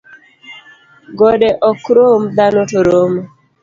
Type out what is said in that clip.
Gode ok rom dhano to romo